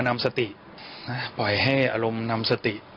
นำสติปล่อยให้อารมณ์นำสติ